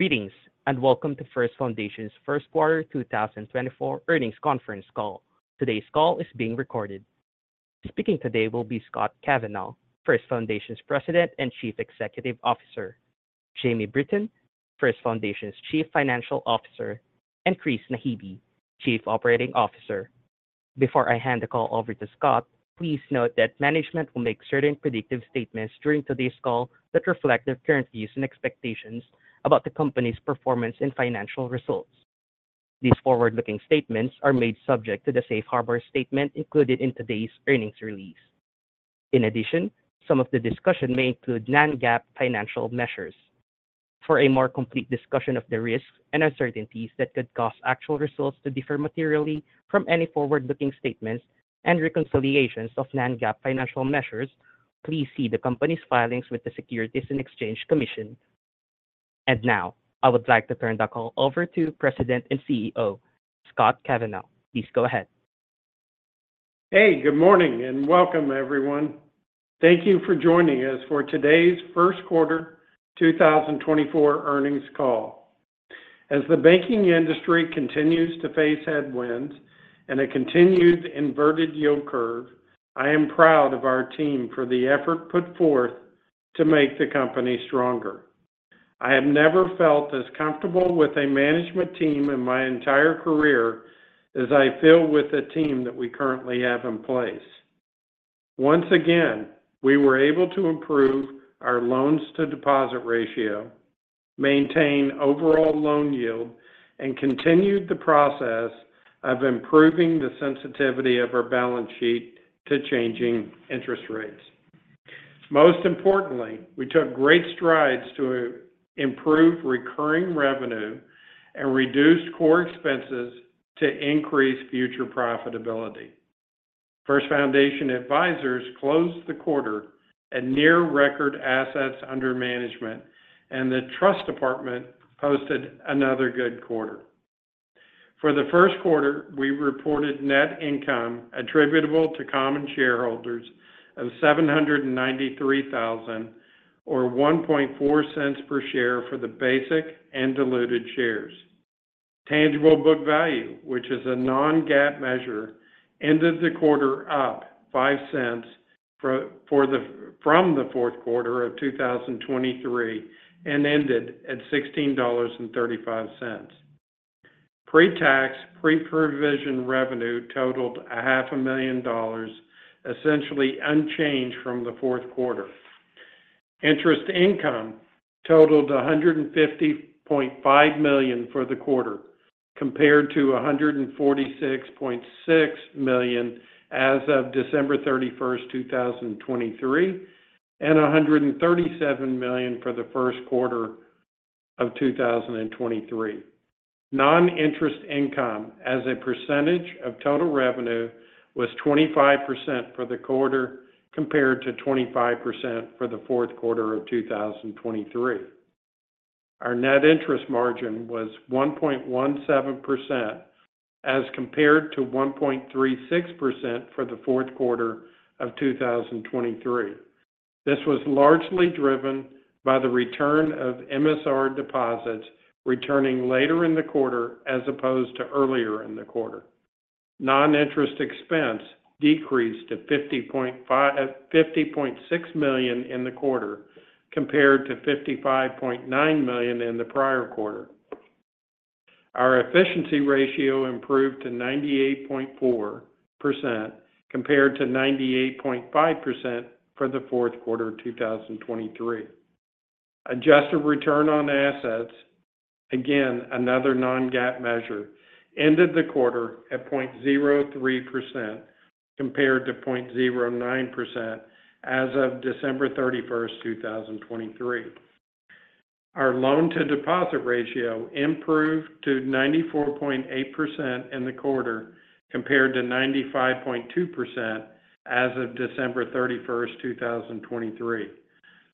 Greetings and welcome to First Foundation's First Quarter 2024 Earnings Conference Call. Today's call is being recorded. Speaking today will be Scott Kavanaugh, First Foundation's President and Chief Executive Officer, Jamie Britton, First Foundation's Chief Financial Officer, and Chris Naghibi, Chief Operating Officer. Before I hand the call over to Scott, please note that management will make certain predictive statements during today's call that reflect their current views and expectations about the company's performance and financial results. These forward-looking statements are made subject to the safe harbor statement included in today's earnings release. In addition, some of the discussion may include non-GAAP financial measures. For a more complete discussion of the risks and uncertainties that could cause actual results to differ materially from any forward-looking statements and reconciliations of non-GAAP financial measures, please see the company's filings with the Securities and Exchange Commission. And now, I would like to turn the call over to President and CEO, Scott Kavanaugh. Please go ahead. Hey, good morning and welcome, everyone. Thank you for joining us for today's first quarter 2024 earnings call. As the banking industry continues to face headwinds and a continued inverted yield curve, I am proud of our team for the effort put forth to make the company stronger. I have never felt as comfortable with a management team in my entire career as I feel with the team that we currently have in place. Once again, we were able to improve our loans-to-deposit ratio, maintain overall loan yield, and continued the process of improving the sensitivity of our balance sheet to changing interest rates. Most importantly, we took great strides to improve recurring revenue and reduced core expenses to increase future profitability. First Foundation Advisors closed the quarter at near-record assets under management, and the Trust Department posted another good quarter. For the first quarter, we reported net income attributable to common shareholders of $793,000, or $0.014 per share for the basic and diluted shares. Tangible book value, which is a non-GAAP measure, ended the quarter up $0.05 from the fourth quarter of 2023 and ended at $16.35. Pre-tax, pre-provision revenue totaled $500,000, essentially unchanged from the fourth quarter. Interest income totaled $150.5 million for the quarter, compared to $146.6 million as of December 31, 2023, and $137 million for the first quarter of 2023. Non-interest income, as a percentage of total revenue, was 25% for the quarter, compared to 25% for the fourth quarter of 2023. Our net interest margin was 1.17% as compared to 1.36% for the fourth quarter of 2023. This was largely driven by the return of MSR deposits returning later in the quarter as opposed to earlier in the quarter. Non-interest expense decreased to $50.6 million in the quarter, compared to $55.9 million in the prior quarter. Our efficiency ratio improved to 98.4%, compared to 98.5% for the fourth quarter of 2023. Adjusted return on assets, again another non-GAAP measure, ended the quarter at 0.03%, compared to 0.09% as of December 31, 2023. Our loan-to-deposit ratio improved to 94.8% in the quarter, compared to 95.2% as of December 31, 2023.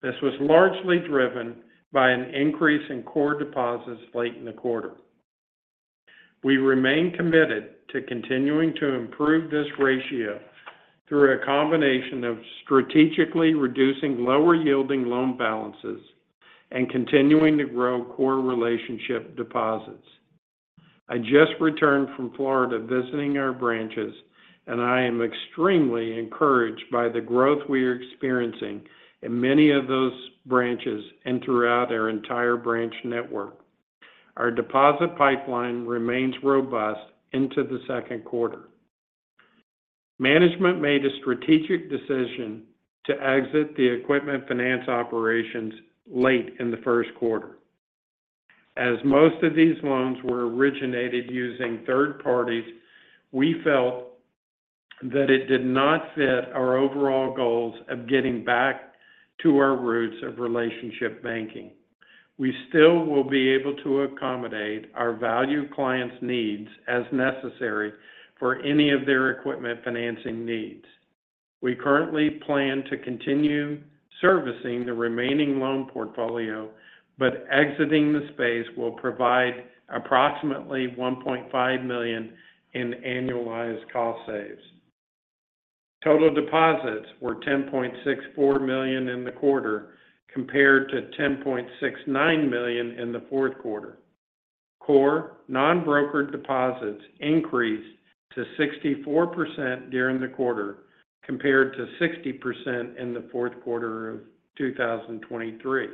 This was largely driven by an increase in core deposits late in the quarter. We remain committed to continuing to improve this ratio through a combination of strategically reducing lower-yielding loan balances and continuing to grow core relationship deposits. I just returned from Florida visiting our branches, and I am extremely encouraged by the growth we are experiencing in many of those branches and throughout our entire branch network. Our deposit pipeline remains robust into the second quarter. Management made a strategic decision to exit the equipment finance operations late in the first quarter. As most of these loans were originated using third parties, we felt that it did not fit our overall goals of getting back to our roots of relationship banking. We still will be able to accommodate our value clients' needs as necessary for any of their equipment financing needs. We currently plan to continue servicing the remaining loan portfolio, but exiting the space will provide approximately $1.5 million in annualized cost savings. Total deposits were $10.64 million in the quarter, compared to $10.69 million in the fourth quarter. Core non-brokered deposits increased to 64% during the quarter, compared to 60% in the fourth quarter of 2023.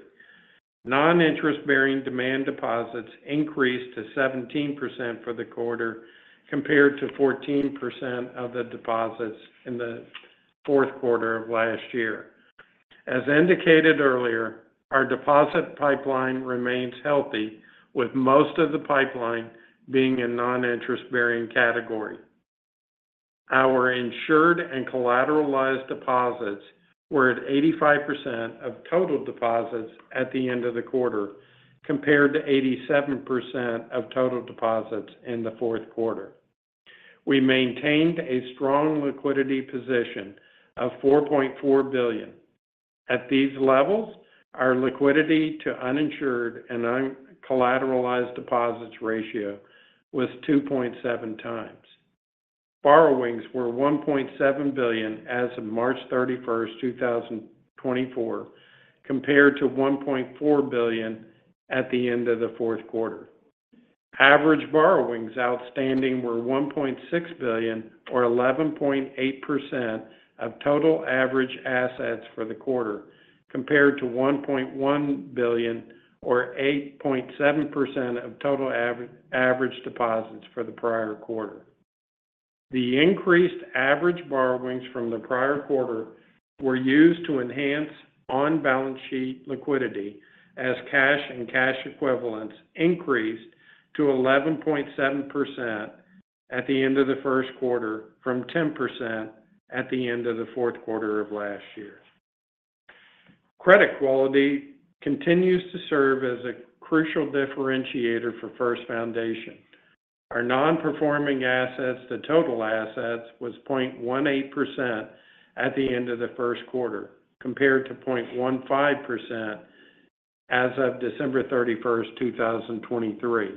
Non-interest-bearing demand deposits increased to 17% for the quarter, compared to 14% of the deposits in the fourth quarter of last year. As indicated earlier, our deposit pipeline remains healthy, with most of the pipeline being in non-interest-bearing category. Our insured and collateralized deposits were at 85% of total deposits at the end of the quarter, compared to 87% of total deposits in the fourth quarter. We maintained a strong liquidity position of $4.4 billion. At these levels, our liquidity-to-uninsured and uncollateralized deposits ratio was 2.7 times. Borrowings were $1.7 billion as of March 31, 2024, compared to $1.4 billion at the end of the fourth quarter. Average borrowings outstanding were $1.6 billion, or 11.8%, of total average assets for the quarter, compared to $1.1 billion, or 8.7%, of total average deposits for the prior quarter. The increased average borrowings from the prior quarter were used to enhance on-balance sheet liquidity as cash and cash equivalents increased to 11.7% at the end of the first quarter from 10% at the end of the fourth quarter of last year. Credit quality continues to serve as a crucial differentiator for First Foundation. Our non-performing assets to total assets was 0.18% at the end of the first quarter, compared to 0.15% as of December 31, 2023.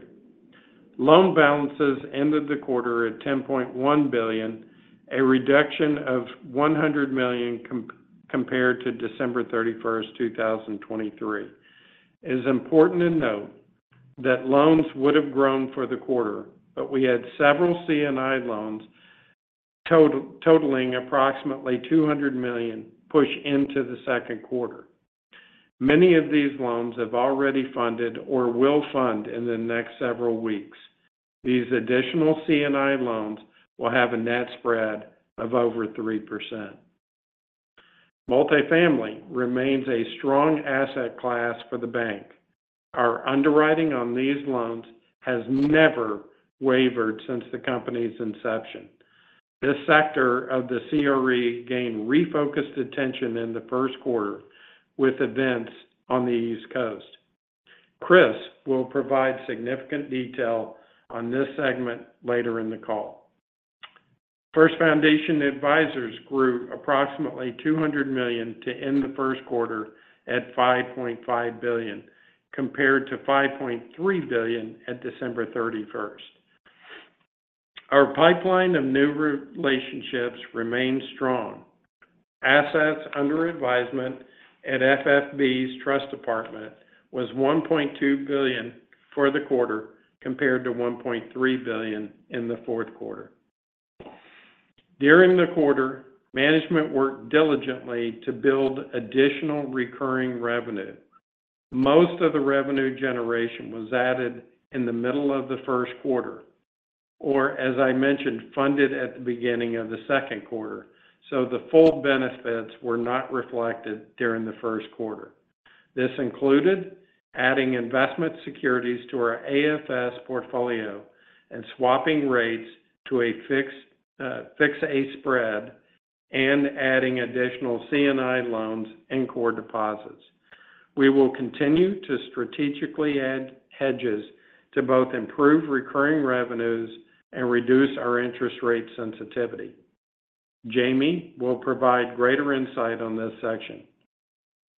Loan balances ended the quarter at $10.1 billion, a reduction of $100 million compared to December 31, 2023. It is important to note that loans would have grown for the quarter, but we had several C&I loans totaling approximately $200 million push into the second quarter. Many of these loans have already funded or will fund in the next several weeks. These additional C&I loans will have a net spread of over 3%. Multifamily remains a strong asset class for the bank. Our underwriting on these loans has never wavered since the company's inception. This sector of the CRE gained refocused attention in the first quarter with events on the East Coast. Chris will provide significant detail on this segment later in the call. First Foundation Advisors grew approximately $200 million to end the first quarter at $5.5 billion, compared to $5.3 billion at December 31. Our pipeline of new relationships remains strong. Assets under advisement at FFB's Trust Department was $1.2 billion for the quarter, compared to $1.3 billion in the fourth quarter. During the quarter, management worked diligently to build additional recurring revenue. Most of the revenue generation was added in the middle of the first quarter, or, as I mentioned, funded at the beginning of the second quarter, so the full benefits were not reflected during the first quarter. This included adding investment securities to our AFS portfolio and swapping rates to a fixed spread and adding additional C&I loans and core deposits. We will continue to strategically add hedges to both improve recurring revenues and reduce our interest rate sensitivity. Jamie will provide greater insight on this section.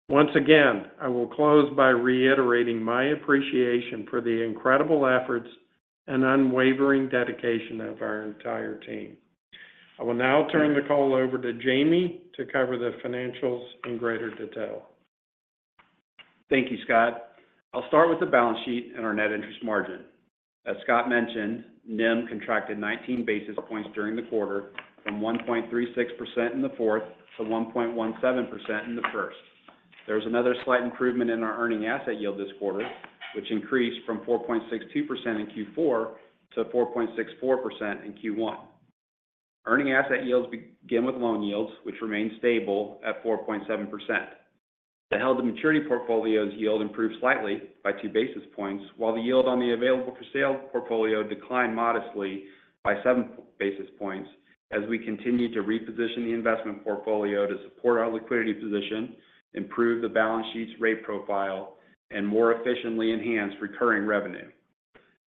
Once again, I will close by reiterating my appreciation for the incredible efforts and unwavering dedication of our entire team. I will now turn the call over to Jamie to cover the financials in greater detail. Thank you, Scott. I'll start with the balance sheet and our net interest margin. As Scott mentioned, NIM contracted 19 basis points during the quarter, from 1.36% in the fourth to 1.17% in the first. There was another slight improvement in our earning asset yield this quarter, which increased from 4.62% in Q4 to 4.64% in Q1. Earning asset yields begin with loan yields, which remain stable at 4.7%. The held-to-maturity portfolio's yield improved slightly by 2 basis points, while the yield on the available-for-sale portfolio declined modestly by 7 basis points as we continue to reposition the investment portfolio to support our liquidity position, improve the balance sheet's rate profile, and more efficiently enhance recurring revenue.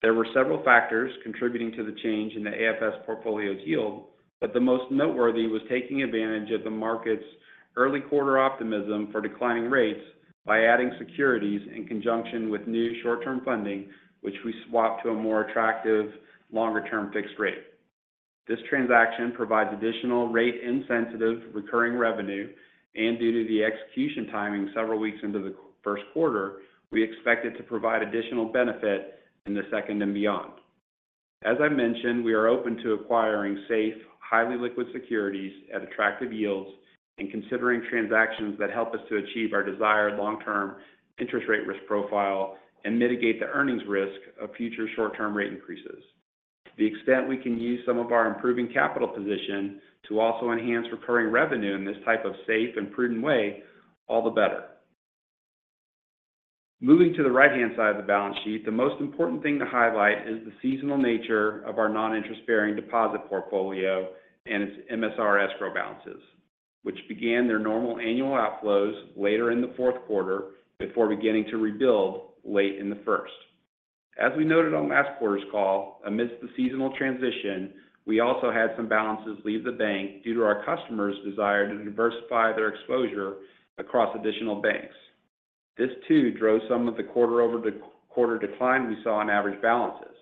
There were several factors contributing to the change in the AFS portfolio's yield, but the most noteworthy was taking advantage of the market's early quarter optimism for declining rates by adding securities in conjunction with new short-term funding, which we swapped to a more attractive longer-term fixed rate. This transaction provides additional rate-insensitive recurring revenue, and due to the execution timing several weeks into the first quarter, we expect it to provide additional benefit in the second and beyond. As I mentioned, we are open to acquiring safe, highly liquid securities at attractive yields and considering transactions that help us to achieve our desired long-term interest rate risk profile and mitigate the earnings risk of future short-term rate increases. To the extent we can use some of our improving capital position to also enhance recurring revenue in this type of safe and prudent way, all the better. Moving to the right-hand side of the balance sheet, the most important thing to highlight is the seasonal nature of our non-interest-bearing deposit portfolio and its MSR escrow balances, which began their normal annual outflows later in the fourth quarter before beginning to rebuild late in the first. As we noted on last quarter's call, amidst the seasonal transition, we also had some balances leave the bank due to our customers' desire to diversify their exposure across additional banks. This, too, drove some of the quarter-over-quarter decline we saw in average balances.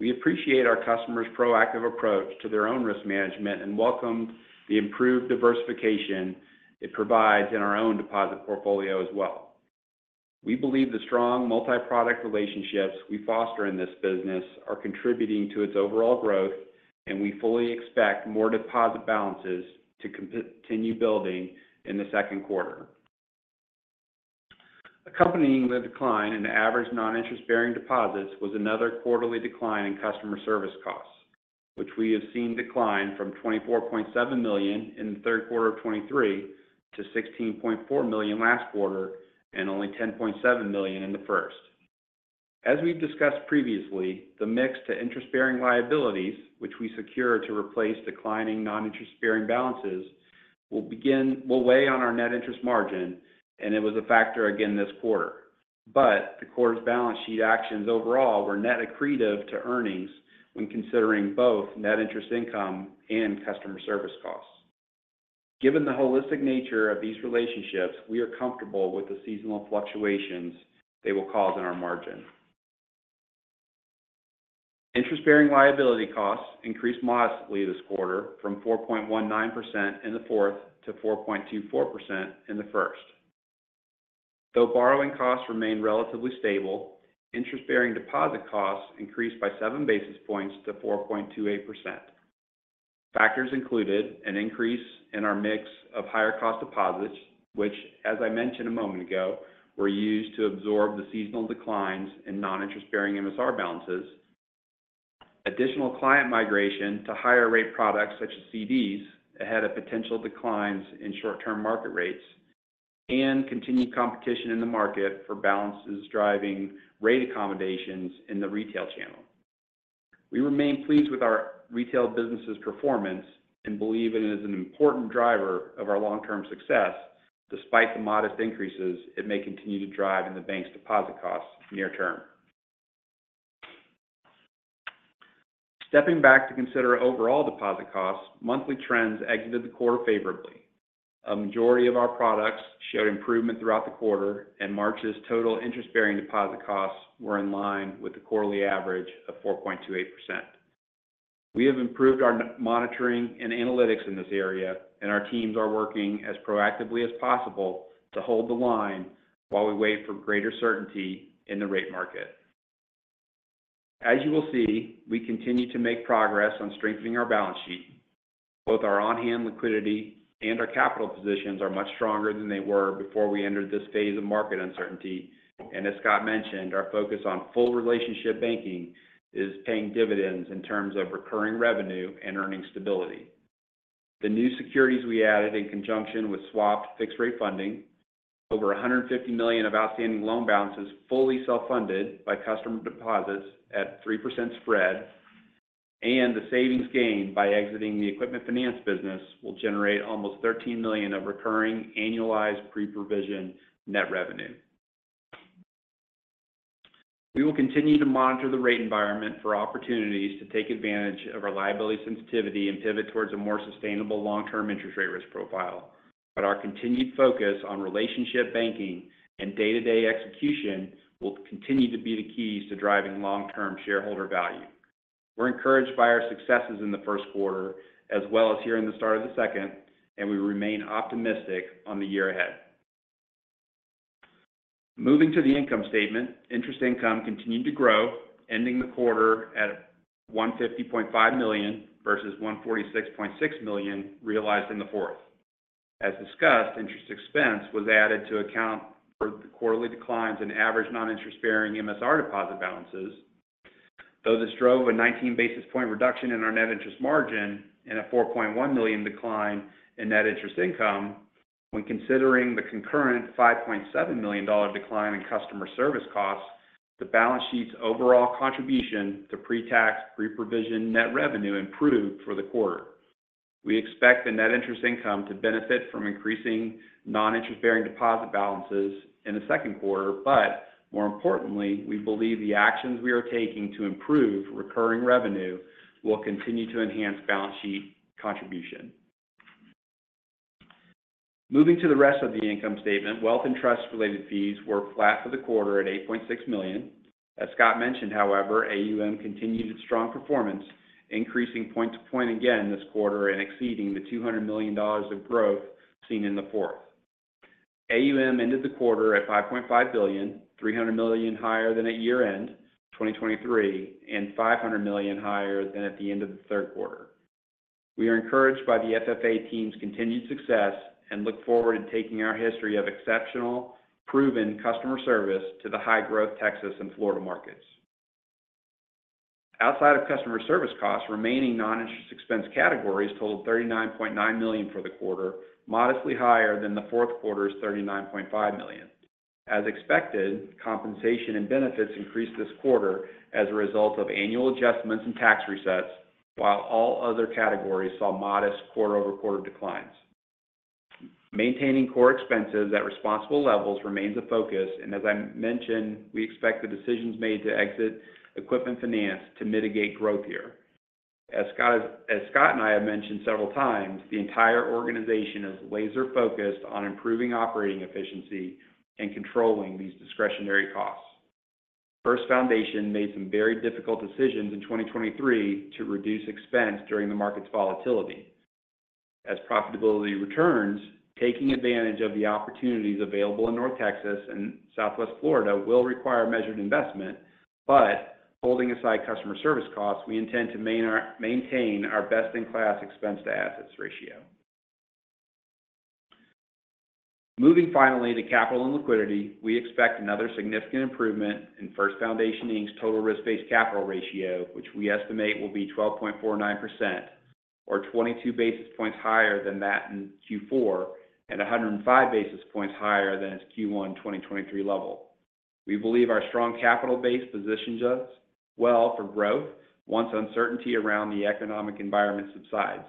We appreciate our customers' proactive approach to their own risk management and welcome the improved diversification it provides in our own deposit portfolio as well. We believe the strong multi-product relationships we foster in this business are contributing to its overall growth, and we fully expect more deposit balances to continue building in the second quarter. Accompanying the decline in average non-interest-bearing deposits was another quarterly decline in customer service costs, which we have seen decline from $24.7 million in the third quarter of 2023 to $16.4 million last quarter and only $10.7 million in the first. As we've discussed previously, the mix to interest-bearing liabilities, which we secure to replace declining non-interest-bearing balances, will weigh on our net interest margin, and it was a factor, again, this quarter. But the quarter's balance sheet actions overall were net accretive to earnings when considering both net interest income and customer service costs. Given the holistic nature of these relationships, we are comfortable with the seasonal fluctuations they will cause in our margin. Interest-bearing liability costs increased modestly this quarter from 4.19% in the fourth to 4.24% in the first. Though borrowing costs remain relatively stable, interest-bearing deposit costs increased by seven basis points to 4.28%. Factors included an increase in our mix of higher-cost deposits, which, as I mentioned a moment ago, were used to absorb the seasonal declines in non-interest-bearing MSR balances. Additional client migration to higher-rate products such as CDs ahead of potential declines in short-term market rates. And continued competition in the market for balances driving rate accommodations in the retail channel. We remain pleased with our retail business's performance and believe it is an important driver of our long-term success, despite the modest increases it may continue to drive in the bank's deposit costs near term. Stepping back to consider overall deposit costs, monthly trends exited the quarter favorably. A majority of our products showed improvement throughout the quarter, and March's total interest-bearing deposit costs were in line with the quarterly average of 4.28%. We have improved our monitoring and analytics in this area, and our teams are working as proactively as possible to hold the line while we wait for greater certainty in the rate market. As you will see, we continue to make progress on strengthening our balance sheet. Both our on-hand liquidity and our capital positions are much stronger than they were before we entered this phase of market uncertainty. And as Scott mentioned, our focus on full relationship banking is paying dividends in terms of recurring revenue and earnings stability. The new securities we added in conjunction with swapped fixed-rate funding, over $150 million of outstanding loan balances fully self-funded by customer deposits at 3% spread, and the savings gained by exiting the equipment finance business will generate almost $13 million of recurring annualized pre-provision net revenue. We will continue to monitor the rate environment for opportunities to take advantage of our liability sensitivity and pivot towards a more sustainable long-term interest rate risk profile. But our continued focus on relationship banking and day-to-day execution will continue to be the keys to driving long-term shareholder value. We're encouraged by our successes in the first quarter as well as here in the start of the second, and we remain optimistic on the year ahead. Moving to the income statement, interest income continued to grow, ending the quarter at $150.5 million versus $146.6 million realized in the fourth. As discussed, interest expense was added to account for the quarterly declines in average non-interest-bearing MSR deposit balances, though this drove a 19 basis point reduction in our net interest margin and a $4.1 million decline in net interest income. When considering the concurrent $5.7 million decline in customer service costs, the balance sheet's overall contribution to pre-tax pre-provision net revenue improved for the quarter. We expect the net interest income to benefit from increasing non-interest-bearing deposit balances in the second quarter, but more importantly, we believe the actions we are taking to improve recurring revenue will continue to enhance balance sheet contribution. Moving to the rest of the income statement, wealth and trust-related fees were flat for the quarter at $8.6 million. As Scott mentioned, however, AUM continued its strong performance, increasing point to point again this quarter and exceeding the $200 million of growth seen in the fourth. AUM ended the quarter at $5.5 billion, $300 million higher than at year-end 2023 and $500 million higher than at the end of the third quarter. We are encouraged by the FFA team's continued success and look forward to taking our history of exceptional, proven customer service to the high-growth Texas and Florida markets. Outside of customer service costs, remaining non-interest expense categories totaled $39.9 million for the quarter, modestly higher than the fourth quarter's $39.5 million. As expected, compensation and benefits increased this quarter as a result of annual adjustments and tax resets, while all other categories saw modest quarter-over-quarter declines. Maintaining core expenses at responsible levels remains a focus, and as I mentioned, we expect the decisions made to exit equipment finance to mitigate growth here. As Scott and I have mentioned several times, the entire organization is laser-focused on improving operating efficiency and controlling these discretionary costs. First Foundation made some very difficult decisions in 2023 to reduce expense during the market's volatility. As profitability returns, taking advantage of the opportunities available in North Texas and Southwest Florida will require measured investment, but holding aside customer service costs, we intend to maintain our best-in-class expense-to-assets ratio. Moving finally to capital and liquidity, we expect another significant improvement in First Foundation Inc.'s total risk-based capital ratio, which we estimate will be 12.49% or 22 basis points higher than that in Q4 and 105 basis points higher than its Q1 2023 level. We believe our strong capital base positions us well for growth once uncertainty around the economic environment subsides.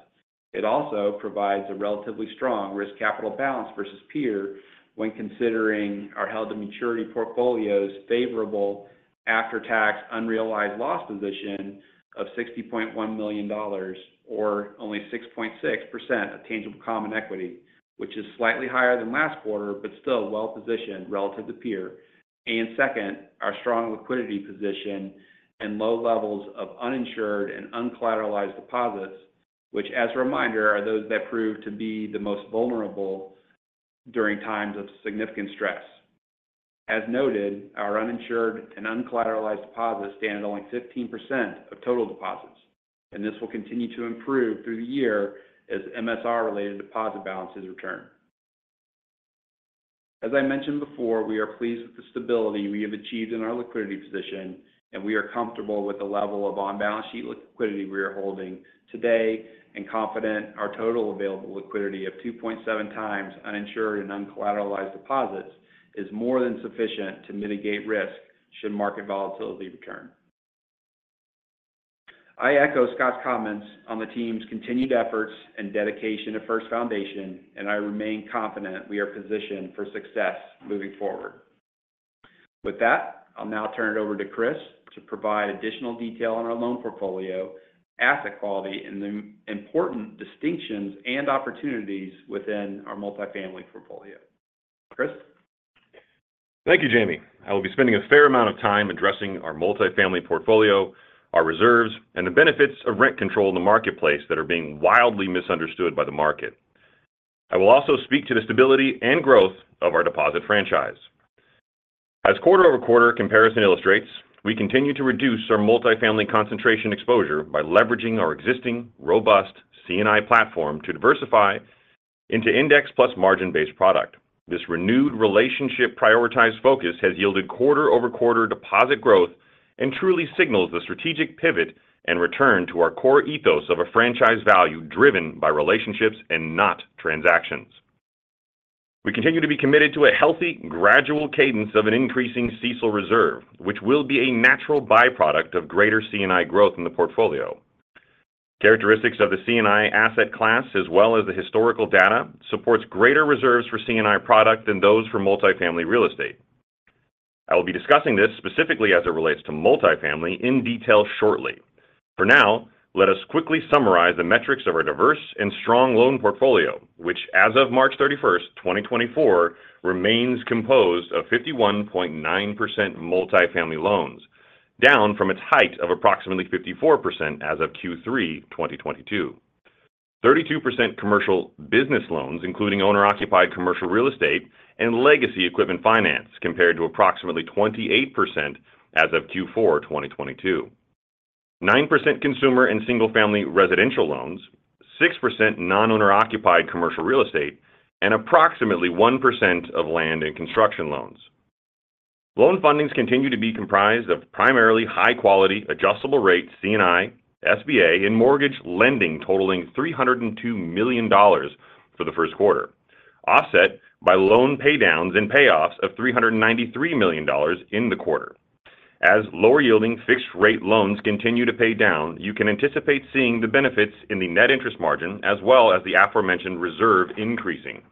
It also provides a relatively strong risk-capital balance versus peer when considering our held-to-maturity portfolio's favorable after-tax unrealized loss position of $60.1 million or only 6.6% of tangible common equity, which is slightly higher than last quarter but still well-positioned relative to peer. And second, our strong liquidity position and low levels of uninsured and uncollateralized deposits, which, as a reminder, are those that prove to be the most vulnerable during times of significant stress. As noted, our uninsured and uncollateralized deposits stand at only 15% of total deposits, and this will continue to improve through the year as MSR-related deposit balances return. As I mentioned before, we are pleased with the stability we have achieved in our liquidity position, and we are comfortable with the level of on-balance sheet liquidity we are holding today and confident our total available liquidity of 2.7x uninsured and uncollateralized deposits is more than sufficient to mitigate risk should market volatility return. I echo Scott's comments on the team's continued efforts and dedication to First Foundation, and I remain confident we are positioned for success moving forward. With that, I'll now turn it over to Chris to provide additional detail on our loan portfolio, asset quality, and the important distinctions and opportunities within our multifamily portfolio. Chris? Thank you, Jamie. I will be spending a fair amount of time addressing our multifamily portfolio, our reserves, and the benefits of rent control in the marketplace that are being wildly misunderstood by the market. I will also speak to the stability and growth of our deposit franchise. As quarter-over-quarter comparison illustrates, we continue to reduce our multifamily concentration exposure by leveraging our existing robust C&I platform to diversify into index-plus margin-based product. This renewed relationship-prioritized focus has yielded quarter-over-quarter deposit growth and truly signals the strategic pivot and return to our core ethos of a franchise value driven by relationships and not transactions. We continue to be committed to a healthy, gradual cadence of an increasing CECL reserve, which will be a natural byproduct of greater C&I growth in the portfolio. Characteristics of the C&I asset class, as well as the historical data, support greater reserves for C&I product than those for multifamily real estate. I will be discussing this specifically as it relates to multifamily in detail shortly. For now, let us quickly summarize the metrics of our diverse and strong loan portfolio, which, as of March 31, 2024, remains composed of 51.9% multifamily loans, down from its height of approximately 54% as of Q3 2022. 32% commercial business loans, including owner-occupied commercial real estate and legacy equipment finance, compared to approximately 28% as of Q4 2022. 9% consumer and single-family residential loans, 6% non-owner-occupied commercial real estate, and approximately 1% of land and construction loans. Loan fundings continue to be comprised of primarily high-quality, adjustable-rate C&I, SBA, and mortgage lending totaling $302 million for the first quarter, offset by loan paydowns and payoffs of $393 million in the quarter. As lower-yielding fixed-rate loans continue to pay down, you can anticipate seeing the benefits in the net interest margin as well as the aforementioned reserve increasing.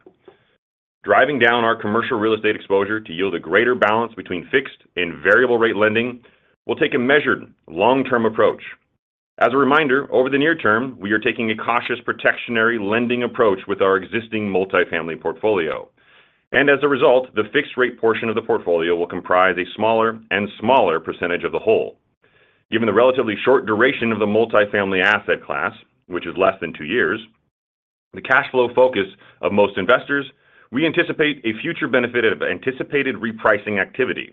Driving down our commercial real estate exposure to yield a greater balance between fixed and variable-rate lending will take a measured, long-term approach. As a reminder, over the near term, we are taking a cautious protectionary lending approach with our existing multifamily portfolio. And as a result, the fixed-rate portion of the portfolio will comprise a smaller and smaller percentage of the whole. Given the relatively short duration of the multifamily asset class, which is less than two years, the cash flow focus of most investors, we anticipate a future benefit of anticipated repricing activity.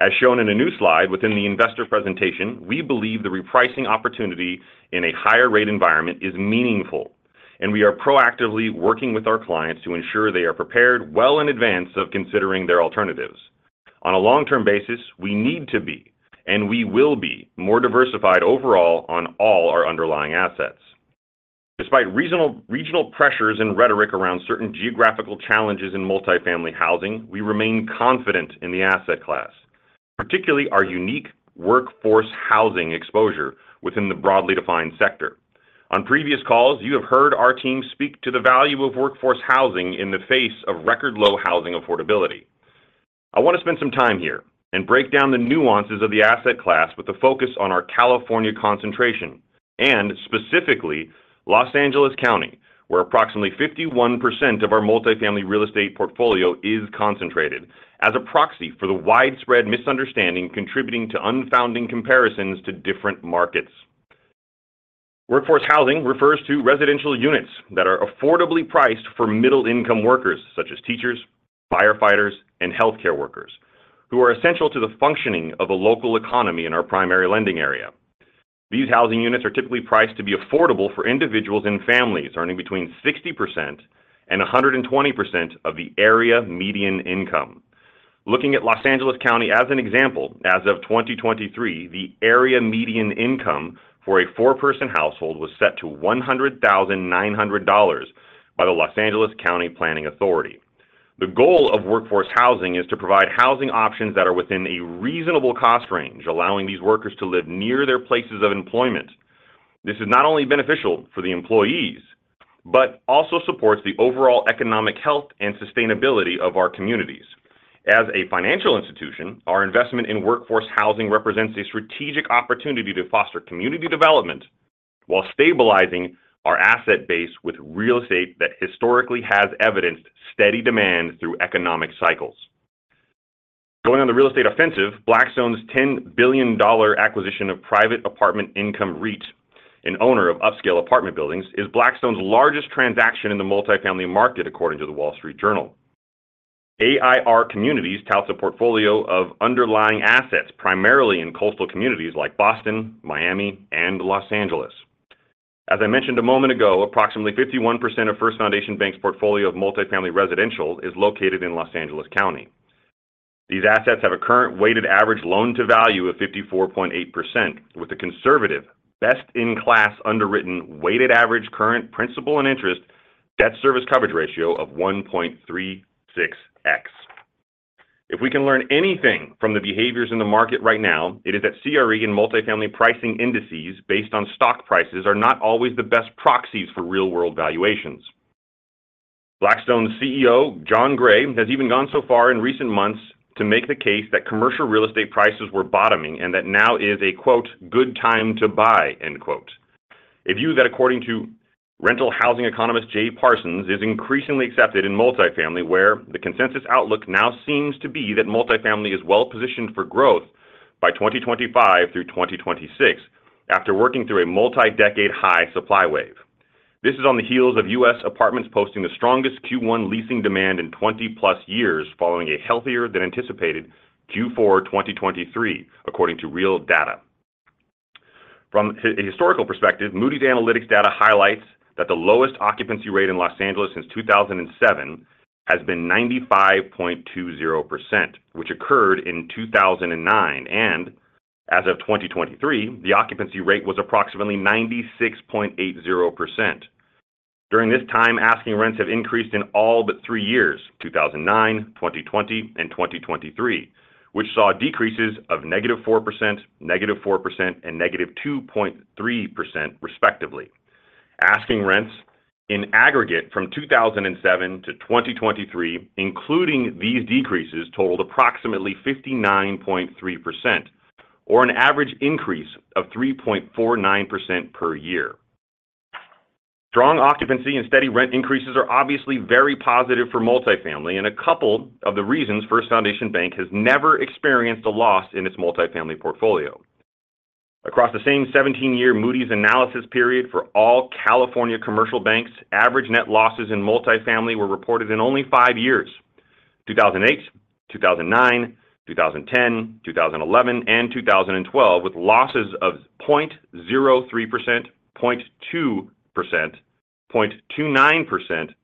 As shown in a new slide within the investor presentation, we believe the repricing opportunity in a higher-rate environment is meaningful, and we are proactively working with our clients to ensure they are prepared well in advance of considering their alternatives. On a long-term basis, we need to be, and we will be, more diversified overall on all our underlying assets. Despite regional pressures and rhetoric around certain geographical challenges in multifamily housing, we remain confident in the asset class, particularly our unique workforce housing exposure within the broadly defined sector. On previous calls, you have heard our team speak to the value of workforce housing in the face of record-low housing affordability. I want to spend some time here and break down the nuances of the asset class with a focus on our California concentration and, specifically, Los Angeles County, where approximately 51% of our multifamily real estate portfolio is concentrated as a proxy for the widespread misunderstanding contributing to unfounded comparisons to different markets. Workforce housing refers to residential units that are affordably priced for middle-income workers such as teachers, firefighters, and healthcare workers, who are essential to the functioning of a local economy in our primary lending area. These housing units are typically priced to be affordable for individuals and families earning between 60% and 120% of the area median income. Looking at Los Angeles County as an example, as of 2023, the area median income for a four-person household was set to $100,900 by the Los Angeles County Planning Authority. The goal of workforce housing is to provide housing options that are within a reasonable cost range, allowing these workers to live near their places of employment. This is not only beneficial for the employees but also supports the overall economic health and sustainability of our communities. As a financial institution, our investment in workforce housing represents a strategic opportunity to foster community development while stabilizing our asset base with real estate that historically has evidenced steady demand through economic cycles. Going on the real estate offensive, Blackstone's $10 billion acquisition of Apartment Income REIT and owner of upscale apartment buildings is Blackstone's largest transaction in the multifamily market according to The Wall Street Journal. AIR Communities touts a portfolio of underlying assets primarily in coastal communities like Boston, Miami, and Los Angeles. As I mentioned a moment ago, approximately 51% of First Foundation Bank's portfolio of multifamily residential is located in Los Angeles County. These assets have a current weighted average loan-to-value of 54.8%, with a conservative, best-in-class underwritten weighted average current principal and interest debt service coverage ratio of 1.36x. If we can learn anything from the behaviors in the market right now, it is that CRE and multifamily pricing indices based on stock prices are not always the best proxies for real-world valuations. Blackstone's CEO, John Gray, has even gone so far in recent months to make the case that commercial real estate prices were bottoming and that now is a "good time to buy." that, according to rental housing economist Jay Parsons, is increasingly accepted in multifamily, where the consensus outlook now seems to be that multifamily is well-positioned for growth by 2025 through 2026 after working through a multi-decade-high supply wave. This is on the heels of U.S. apartments posting the strongest Q1 leasing demand in 20+ years following a healthier-than-anticipated Q4 2023, according to RealPage data. From a historical perspective, Moody's Analytics data highlights that the lowest occupancy rate in Los Angeles since 2007 has been 95.20%, which occurred in 2009. As of 2023, the occupancy rate was approximately 96.80%. During this time, asking rents have increased in all but three years: 2009, 2020, and 2023, which saw decreases of -4%, -4%, and -2.3% respectively. Asking rents in aggregate from 2007 to 2023, including these decreases, totaled approximately 59.3%, or an average increase of 3.49% per year. Strong occupancy and steady rent increases are obviously very positive for multifamily, and a couple of the reasons First Foundation Bank has never experienced a loss in its multifamily portfolio. Across the same 17-year Moody's analysis period for all California commercial banks, average net losses in multifamily were reported in only five years: 2008, 2009, 2010, 2011, and 2012, with losses of 0.03%, 0.2%, 0.29%,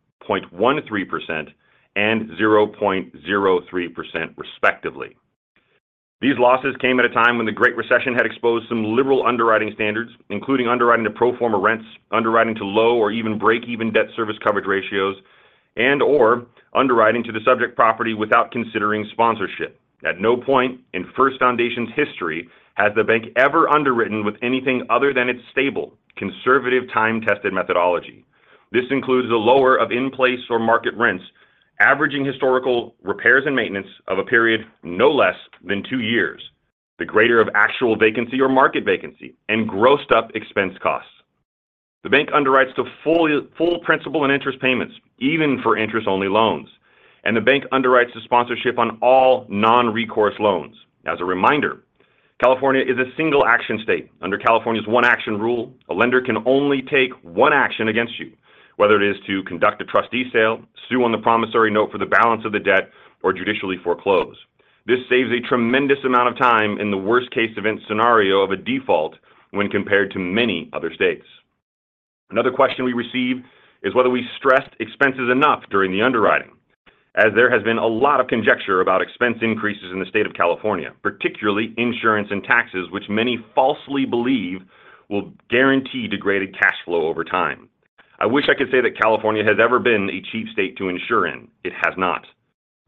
0.13%, and 0.03% respectively. These losses came at a time when the Great Recession had exposed some liberal underwriting standards, including underwriting to pro forma rents, underwriting to low or even break-even debt service coverage ratios, and/or underwriting to the subject property without considering sponsorship. At no point in First Foundation's history has the bank ever underwritten with anything other than its stable, conservative, time-tested methodology. This includes the lower of in-place or market rents, averaging historical repairs and maintenance of a period no less than two years, the greater of actual vacancy or market vacancy, and grossed-up expense costs. The bank underwrites to full principal and interest payments, even for interest-only loans, and the bank underwrites to sponsorship on all non-recourse loans. As a reminder, California is a single-action state. Under California's One Action Rule, a lender can only take one action against you, whether it is to conduct a trustee sale, sue on the promissory note for the balance of the debt, or judicially foreclose. This saves a tremendous amount of time in the worst-case event scenario of a default when compared to many other states. Another question we receive is whether we stressed expenses enough during the underwriting. As there has been a lot of conjecture about expense increases in the state of California, particularly insurance and taxes, which many falsely believe will guarantee degraded cash flow over time. I wish I could say that California has ever been a cheap state to insure in. It has not.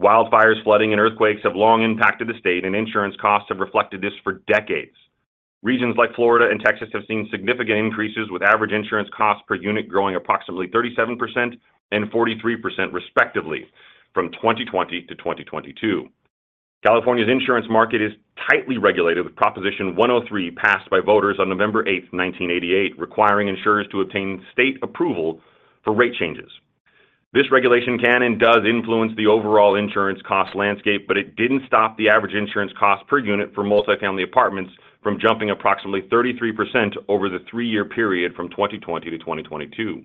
Wildfires, flooding, and earthquakes have long impacted the state, and insurance costs have reflected this for decades. Regions like Florida and Texas have seen significant increases, with average insurance costs per unit growing approximately 37% and 43% respectively from 2020 to 2022. California's insurance market is tightly regulated with Proposition 103 passed by voters on November 8, 1988, requiring insurers to obtain state approval for rate changes. This regulation can and does influence the overall insurance cost landscape, but it didn't stop the average insurance cost per unit for multifamily apartments from jumping approximately 33% over the three-year period from 2020 to 2022.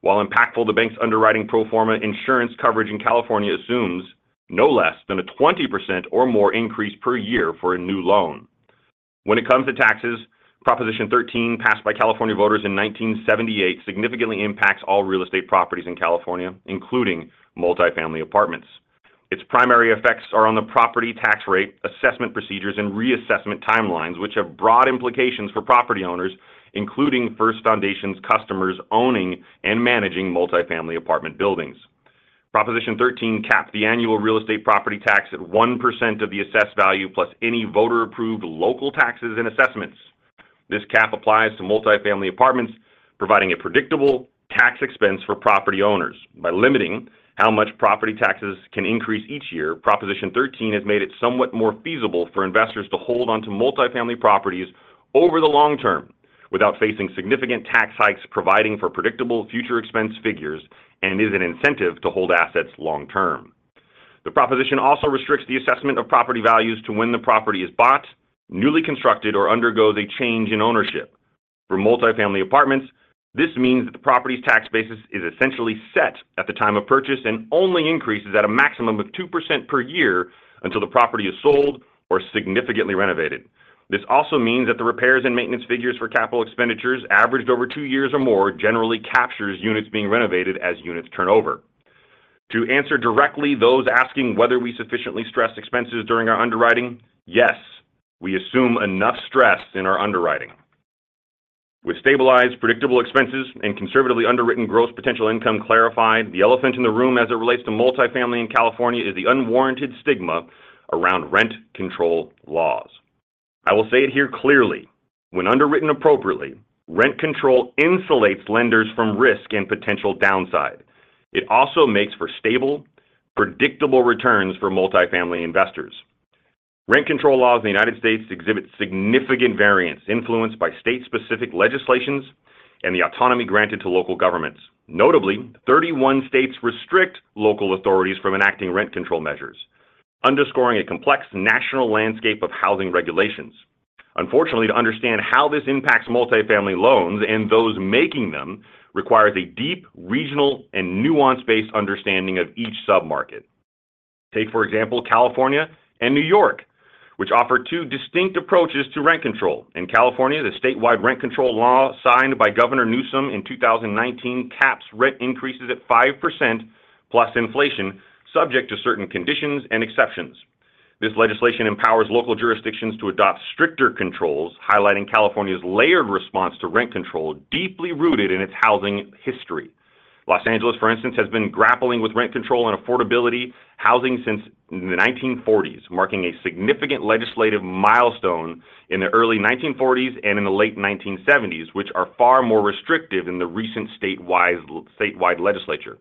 While impactful, the bank's underwriting pro forma insurance coverage in California assumes no less than a 20% or more increase per year for a new loan. When it comes to taxes, Proposition 13 passed by California voters in 1978 significantly impacts all real estate properties in California, including multifamily apartments. Its primary effects are on the property tax rate, assessment procedures, and reassessment timelines, which have broad implications for property owners, including First Foundation's customers owning and managing multifamily apartment buildings. Proposition 13 capped the annual real estate property tax at 1% of the assessed value plus any voter-approved local taxes and assessments. This cap applies to multifamily apartments, providing a predictable tax expense for property owners. By limiting how much property taxes can increase each year, Proposition 13 has made it somewhat more feasible for investors to hold onto multifamily properties over the long term without facing significant tax hikes, providing for predictable future expense figures, and is an incentive to hold assets long term. The proposition also restricts the assessment of property values to when the property is bought, newly constructed, or undergoes a change in ownership. For multifamily apartments, this means that the property's tax basis is essentially set at the time of purchase and only increases at a maximum of 2% per year until the property is sold or significantly renovated. This also means that the repairs and maintenance figures for capital expenditures averaged over two years or more generally captures units being renovated as units turnover. To answer directly those asking whether we sufficiently stressed expenses during our underwriting: Yes, we assume enough stress in our underwriting. With stabilized, predictable expenses, and conservatively underwritten gross potential income clarified, the elephant in the room as it relates to multifamily in California is the unwarranted stigma around rent control laws. I will say it here clearly: when underwritten appropriately, rent control insulates lenders from risk and potential downside. It also makes for stable, predictable returns for multifamily investors. Rent control laws in the United States exhibit significant variance influenced by state-specific legislations and the autonomy granted to local governments. Notably, 31 states restrict local authorities from enacting rent control measures, underscoring a complex national landscape of housing regulations. Unfortunately, to understand how this impacts multifamily loans and those making them requires a deep, regional, and nuance-based understanding of each submarket. Take, for example, California and New York, which offer two distinct approaches to rent control. In California, the statewide rent control law signed by Governor Newsom in 2019 caps rent increases at 5% plus inflation, subject to certain conditions and exceptions. This legislation empowers local jurisdictions to adopt stricter controls, highlighting California's layered response to rent control deeply rooted in its housing history. Los Angeles, for instance, has been grappling with rent control and affordable housing since the 1940s, marking a significant legislative milestone in the early 1940s and in the late 1970s, which are far more restrictive in the recent statewide legislature.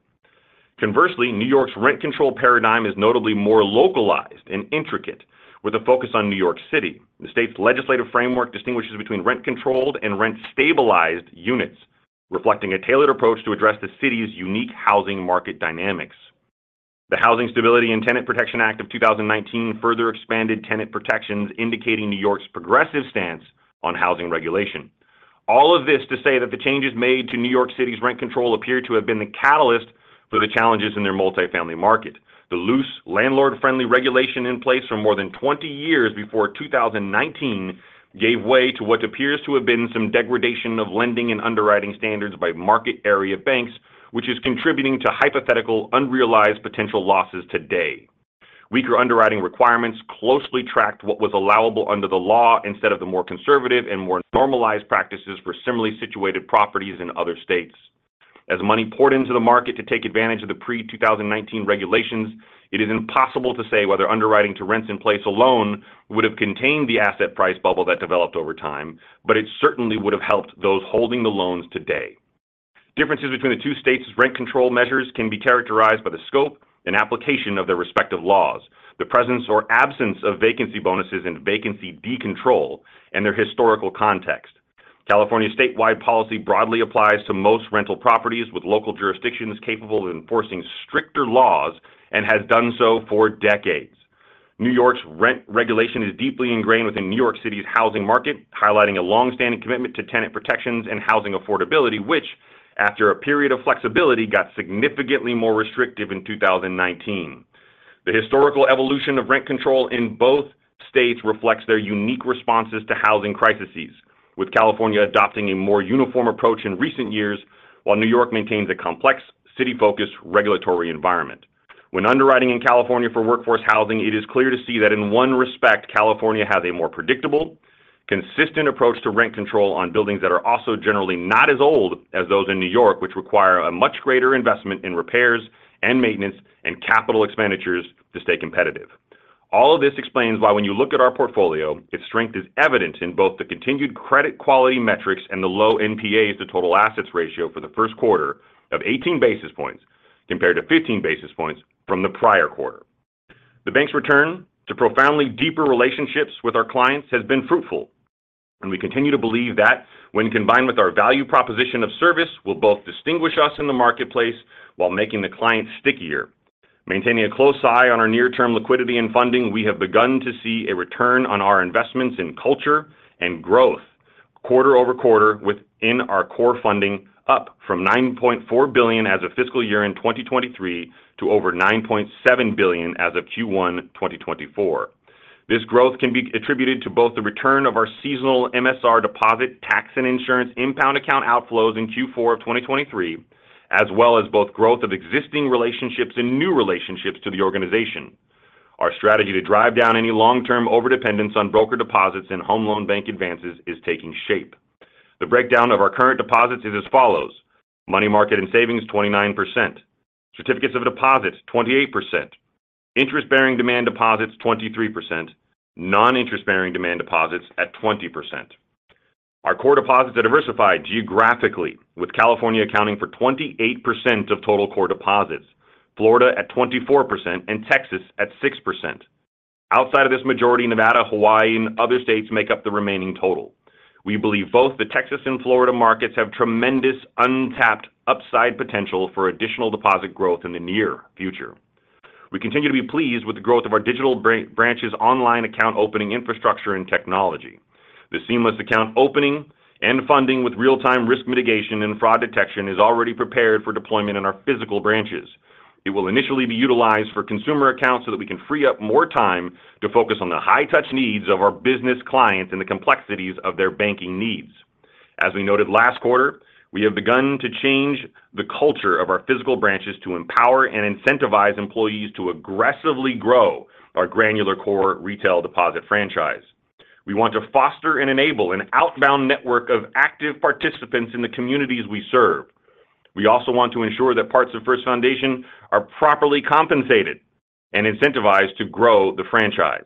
Conversely, New York's rent control paradigm is notably more localized and intricate, with a focus on New York City. The state's legislative framework distinguishes between rent-controlled and rent-stabilized units, reflecting a tailored approach to address the city's unique housing market dynamics. The Housing Stability and Tenant Protection Act of 2019 further expanded tenant protections, indicating New York's progressive stance on housing regulation. All of this to say that the changes made to New York City's rent control appear to have been the catalyst for the challenges in their multifamily market. The loose, landlord-friendly regulation in place for more than 20 years before 2019 gave way to what appears to have been some degradation of lending and underwriting standards by market-area banks, which is contributing to hypothetical, unrealized potential losses today. Weaker underwriting requirements closely tracked what was allowable under the law instead of the more conservative and more normalized practices for similarly situated properties in other states. As money poured into the market to take advantage of the pre-2019 regulations, it is impossible to say whether underwriting to rents in place alone would have contained the asset price bubble that developed over time, but it certainly would have helped those holding the loans today. Differences between the two states' rent control measures can be characterized by the scope and application of their respective laws, the presence or absence of vacancy bonuses and vacancy decontrol, and their historical context. California's statewide policy broadly applies to most rental properties, with local jurisdictions capable of enforcing stricter laws and has done so for decades. New York's rent regulation is deeply ingrained within New York City's housing market, highlighting a longstanding commitment to tenant protections and housing affordability, which, after a period of flexibility, got significantly more restrictive in 2019. The historical evolution of rent control in both states reflects their unique responses to housing crises, with California adopting a more uniform approach in recent years while New York maintains a complex, city-focused regulatory environment. When underwriting in California for workforce housing, it is clear to see that in one respect, California has a more predictable, consistent approach to rent control on buildings that are also generally not as old as those in New York, which require a much greater investment in repairs and maintenance and capital expenditures to stay competitive. All of this explains why, when you look at our portfolio, its strength is evident in both the continued credit quality metrics and the low NPAs to total assets ratio for the first quarter of 18 basis points compared to 15 basis points from the prior quarter. The bank's return to profoundly deeper relationships with our clients has been fruitful, and we continue to believe that, when combined with our value proposition of service, will both distinguish us in the marketplace while making the client stickier. Maintaining a close eye on our near-term liquidity and funding, we have begun to see a return on our investments in culture and growth quarter-over-quarter, within our core funding up from $9.4 billion as of fiscal year in 2023 to over $9.7 billion as of Q1 2024. This growth can be attributed to both the return of our seasonal MSR deposit tax and insurance impound account outflows in Q4 of 2023, as well as both growth of existing relationships and new relationships to the organization. Our strategy to drive down any long-term overdependence on broker deposits and home loan bank advances is taking shape. The breakdown of our current deposits is as follows: money market and savings 29%, certificates of deposit 28%, interest-bearing demand deposits 23%, non-interest-bearing demand deposits at 20%. Our core deposits are diversified geographically, with California accounting for 28% of total core deposits, Florida at 24%, and Texas at 6%. Outside of this, the majority: Nevada, Hawaii, and other states make up the remaining total. We believe both the Texas and Florida markets have tremendous, untapped upside potential for additional deposit growth in the near future. We continue to be pleased with the growth of our digital branches' online account opening infrastructure and technology. The seamless account opening and funding, with real-time risk mitigation and fraud detection, is already prepared for deployment in our physical branches. It will initially be utilized for consumer accounts so that we can free up more time to focus on the high-touch needs of our business clients and the complexities of their banking needs. As we noted last quarter, we have begun to change the culture of our physical branches to empower and incentivize employees to aggressively grow our granular core retail deposit franchise. We want to foster and enable an outbound network of active participants in the communities we serve. We also want to ensure that parts of First Foundation are properly compensated and incentivized to grow the franchise.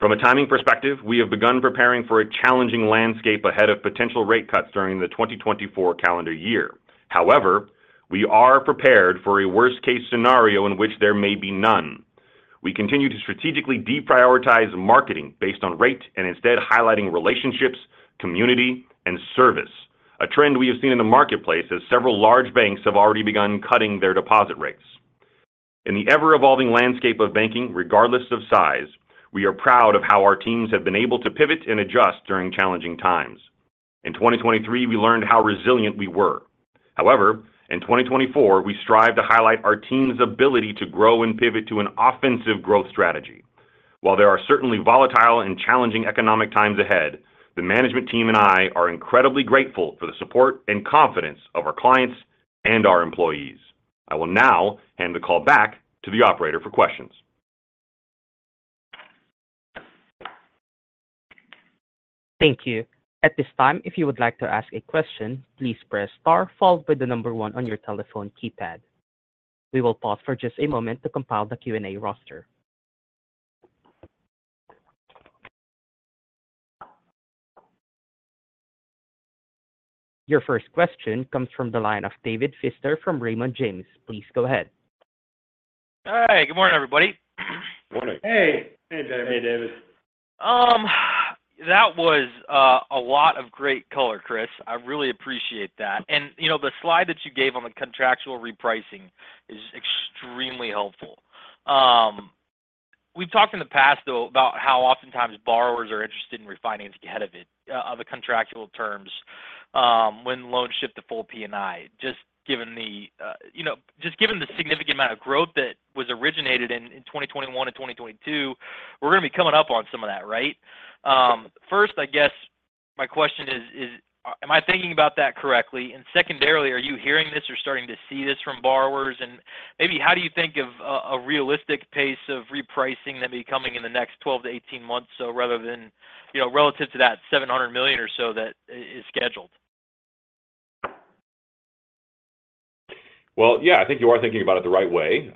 From a timing perspective, we have begun preparing for a challenging landscape ahead of potential rate cuts during the 2024 calendar year. However, we are prepared for a worst-case scenario in which there may be none. We continue to strategically deprioritize marketing based on rate and instead highlighting relationships, community, and service, a trend we have seen in the marketplace as several large banks have already begun cutting their deposit rates. In the ever-evolving landscape of banking, regardless of size, we are proud of how our teams have been able to pivot and adjust during challenging times. In 2023, we learned how resilient we were. However, in 2024, we strive to highlight our team's ability to grow and pivot to an offensive growth strategy. While there are certainly volatile and challenging economic times ahead, the management team and I are incredibly grateful for the support and confidence of our clients and our employees. I will now hand the call back to the operator for questions. Thank you. At this time, if you would like to ask a question, please press * followed by the number 1 on your telephone keypad. We will pause for just a moment to compile the Q&A roster. Your first question comes from the line of David Feaster from Raymond James. Please go ahead. Hi. Good morning, everybody. Morning. Hey. Hey, David. Hey, David. That was a lot of great color, Chris. I really appreciate that. And the slide that you gave on the contractual repricing is extremely helpful. We've talked in the past, though, about how oftentimes borrowers are interested in refinancing ahead of it, other contractual terms, when loans shift to full P&I, just given the significant amount of growth that was originated in 2021 and 2022. We're going to be coming up on some of that, right? First, I guess my question is, am I thinking about that correctly? And secondarily, are you hearing this or starting to see this from borrowers? And maybe how do you think of a realistic pace of repricing that may be coming in the next 12 to 18 months or so relative to that $700 million or so that is scheduled? Well, yeah, I think you are thinking about it the right way.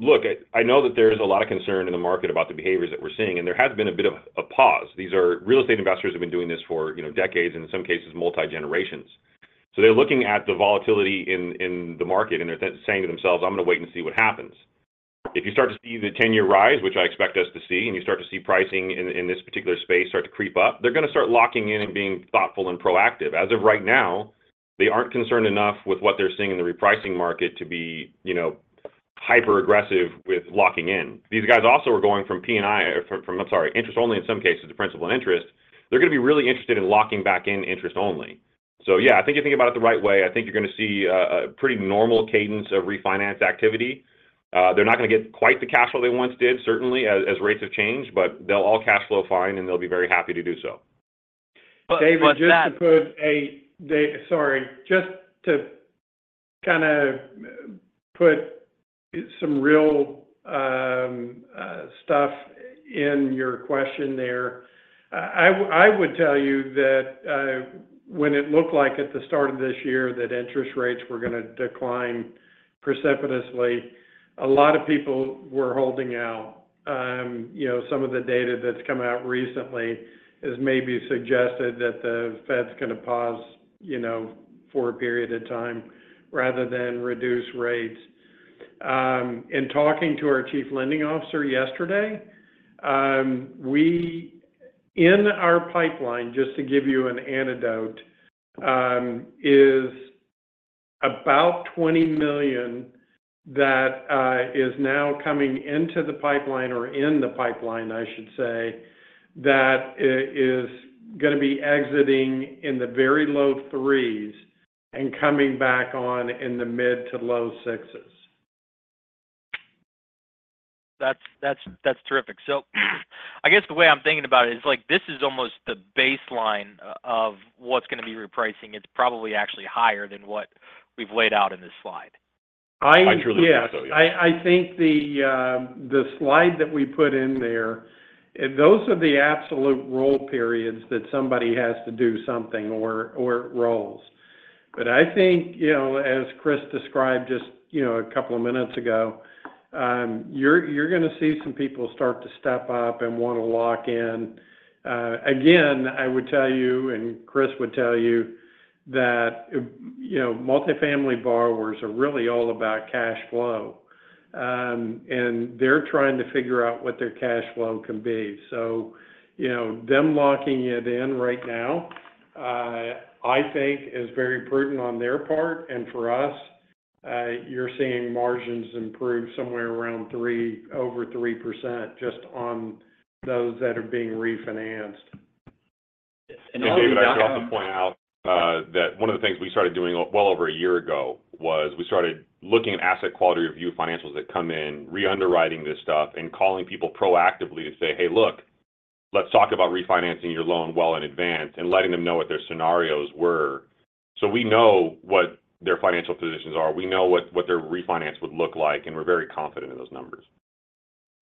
Look, I know that there's a lot of concern in the market about the behaviors that we're seeing, and there has been a bit of a pause. Real estate investors have been doing this for decades, and in some cases, multi-generations. So they're looking at the volatility in the market, and they're saying to themselves, "I'm going to wait and see what happens." If you start to see the 10-year rise, which I expect us to see, and you start to see pricing in this particular space start to creep up, they're going to start locking in and being thoughtful and proactive. As of right now, they aren't concerned enough with what they're seeing in the repricing market to be hyper-aggressive with locking in. These guys also are going from P&I from, I'm sorry, interest-only in some cases to principal and interest. They're going to be really interested in locking back in interest-only. So yeah, I think you're thinking about it the right way. I think you're going to see a pretty normal cadence of refinance activity. They're not going to get quite the cash flow they once did, certainly, as rates have changed, but they'll all cash flow fine, and they'll be very happy to do so. David, just to put some real stuff in your question there, I would tell you that when it looked like at the start of this year that interest rates were going to decline precipitously, a lot of people were holding out. Some of the data that's come out recently has maybe suggested that the Fed's going to pause for a period of time rather than reduce rates. In talking to our chief lending officer yesterday, in our pipeline, just to give you an anecdote, is about $20 million that is now coming into the pipeline or in the pipeline, I should say, that is going to be exiting in the very low threes and coming back on in the mid- to low sixes. That's terrific. So I guess the way I'm thinking about it is this is almost the baseline of what's going to be repricing. It's probably actually higher than what we've laid out in this slide. I truly believe so, yeah. I think the slide that we put in there, those are the absolute roll periods that somebody has to do something or rolls. But I think, as Chris described just a couple of minutes ago, you're going to see some people start to step up and want to lock in. Again, I would tell you, and Chris would tell you, that multifamily borrowers are really all about cash flow, and they're trying to figure out what their cash flow can be. So them locking it in right now, I think, is very prudent on their part. And for us, you're seeing margins improve somewhere around over 3% just on those that are being refinanced. David, I do have to point out that one of the things we started doing well over a year ago was we started looking at asset quality review financials that come in, re-underwriting this stuff, and calling people proactively to say, "Hey, look, let's talk about refinancing your loan well in advance," and letting them know what their scenarios were. We know what their financial positions are. We know what their refinance would look like, and we're very confident in those numbers.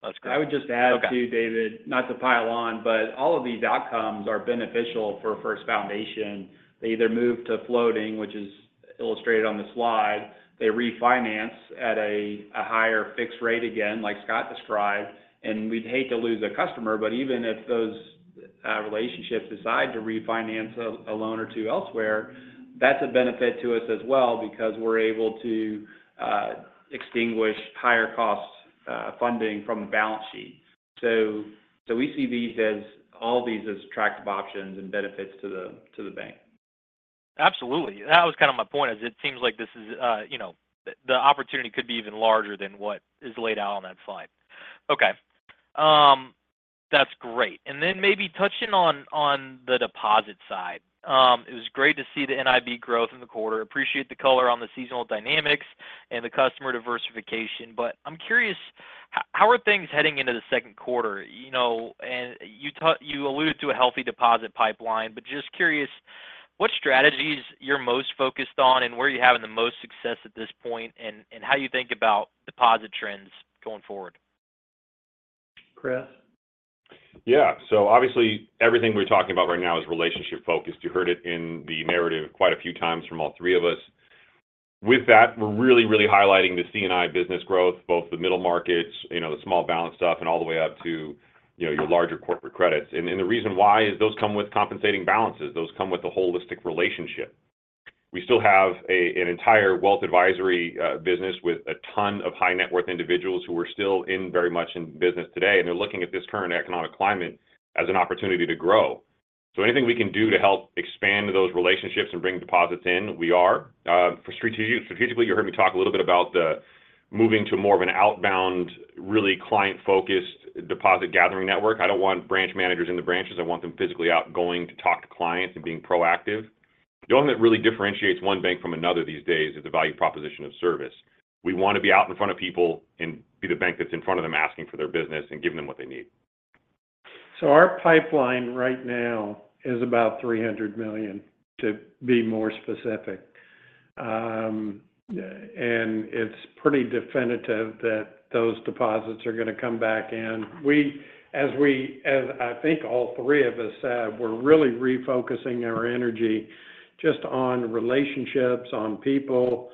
That's great. I would just add too, David, not to pile on, but all of these outcomes are beneficial for First Foundation. They either move to floating, which is illustrated on the slide. They refinance at a higher fixed rate again, like Scott described. And we'd hate to lose a customer, but even if those relationships decide to refinance a loan or two elsewhere, that's a benefit to us as well because we're able to extinguish higher-cost funding from the balance sheet. So we see all these as attractive options and benefits to the bank. Absolutely. That was kind of my point, is it seems like this is the opportunity could be even larger than what is laid out on that slide. Okay. That's great. And then maybe touching on the deposit side, it was great to see the NIB growth in the quarter. Appreciate the color on the seasonal dynamics and the customer diversification. But I'm curious, how are things heading into the second quarter? And you alluded to a healthy deposit pipeline, but just curious, what strategies you're most focused on and where you're having the most success at this point and how you think about deposit trends going forward? Chris? Yeah. So obviously, everything we're talking about right now is relationship-focused. You heard it in the narrative quite a few times from all three of us. With that, we're really, really highlighting the C&I business growth, both the middle markets, the small balance stuff, and all the way up to your larger corporate credits. And the reason why is those come with compensating balances. Those come with a holistic relationship. We still have an entire wealth advisory business with a ton of high-net-worth individuals who are still very much in business today, and they're looking at this current economic climate as an opportunity to grow. So anything we can do to help expand those relationships and bring deposits in, we are. Strategically, you heard me talk a little bit about moving to more of an outbound, really client-focused deposit gathering network. I don't want branch managers in the branches. I want them physically out, going to talk to clients and being proactive. The only thing that really differentiates one bank from another these days is the value proposition of service. We want to be out in front of people and be the bank that's in front of them asking for their business and giving them what they need. So our pipeline right now is about $300 million, to be more specific. And it's pretty definitive that those deposits are going to come back in. As I think all three of us said, we're really refocusing our energy just on relationships, on people.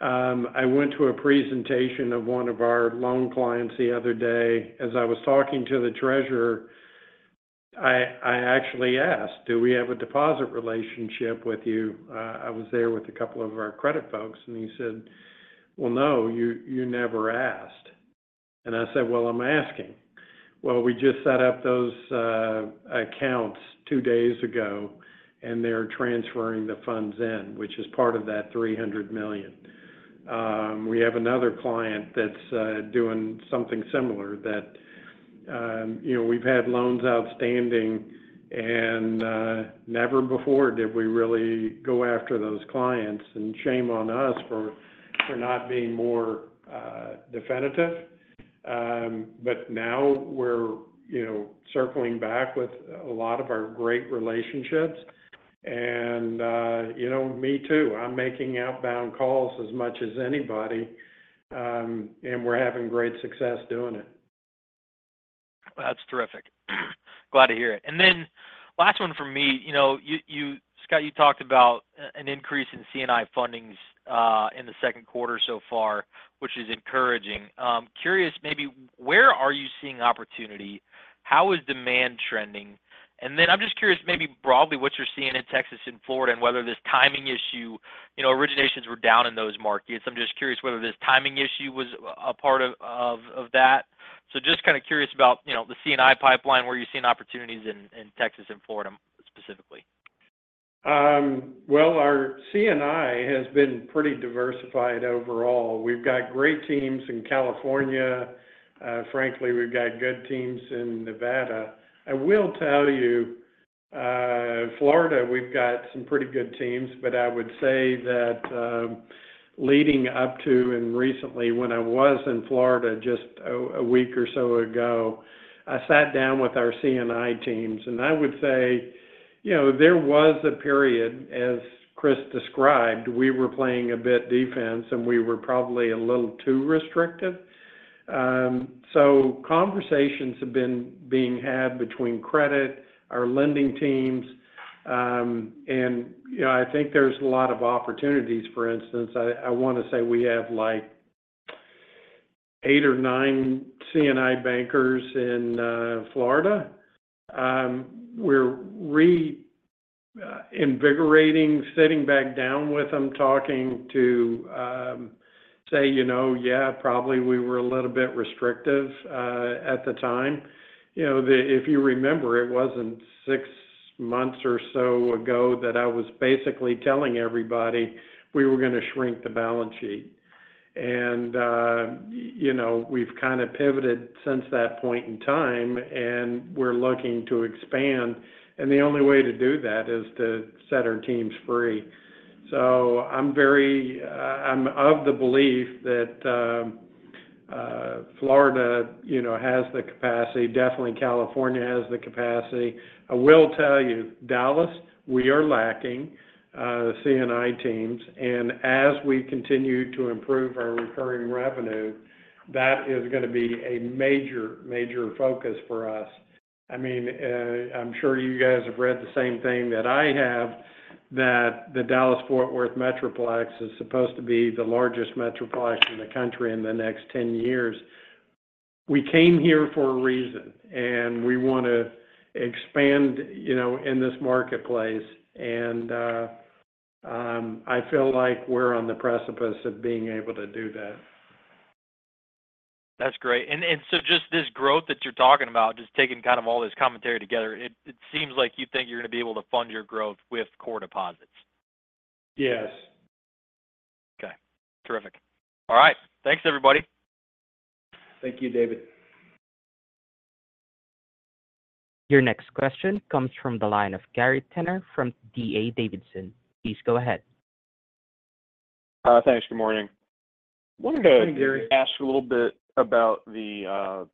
I went to a presentation of one of our loan clients the other day. As I was talking to the treasurer, I actually asked, "Do we have a deposit relationship with you?" I was there with a couple of our credit folks, and he said, "Well, no, you never asked." And I said, "Well, I'm asking." Well, we just set up those accounts two days ago, and they're transferring the funds in, which is part of that $300 million. We have another client that's doing something similar that we've had loans outstanding, and never before did we really go after those clients. Shame on us for not being more definitive. Now we're circling back with a lot of our great relationships. Me too. I'm making outbound calls as much as anybody, and we're having great success doing it. That's terrific. Glad to hear it. And then last one from me. Scott, you talked about an increase in C&I fundings in the second quarter so far, which is encouraging. Curious maybe, where are you seeing opportunity? How is demand trending? And then I'm just curious maybe broadly what you're seeing in Texas and Florida and whether this timing issue originations were down in those markets. I'm just curious whether this timing issue was a part of that. So just kind of curious about the C&I pipeline, where you're seeing opportunities in Texas and Florida specifically. Well, our C&I has been pretty diversified overall. We've got great teams in California. Frankly, we've got good teams in Nevada. I will tell you, Florida, we've got some pretty good teams. But I would say that leading up to and recently, when I was in Florida just a week or so ago, I sat down with our C&I teams, and I would say there was a period, as Chris described, we were playing a bit defense, and we were probably a little too restrictive. So conversations have been being had between credit, our lending teams. And I think there's a lot of opportunities. For instance, I want to say we have eight or nine C&I bankers in Florida. We're reinvigorating, sitting back down with them, talking to say, "Yeah, probably we were a little bit restrictive at the time." If you remember, it wasn't six months or so ago that I was basically telling everybody we were going to shrink the balance sheet. And we've kind of pivoted since that point in time, and we're looking to expand. And the only way to do that is to set our teams free. So I'm of the belief that Florida has the capacity. Definitely, California has the capacity. I will tell you, Dallas, we are lacking C&I teams. And as we continue to improve our recurring revenue, that is going to be a major, major focus for us. I mean, I'm sure you guys have read the same thing that I have, that the Dallas-Fort Worth Metroplex is supposed to be the largest metroplex in the country in the next 10 years. We came here for a reason, and we want to expand in this marketplace. I feel like we're on the precipice of being able to do that. That's great. And so just this growth that you're talking about, just taking kind of all this commentary together, it seems like you think you're going to be able to fund your growth with core deposits. Yes. Okay. Terrific. All right. Thanks, everybody. Thank you, David. Your next question comes from the line of Gary Tenner from D.A. Davidson. Please go ahead. Thanks. Good morning. I wanted to ask a little bit about the